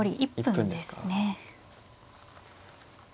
１分ですか。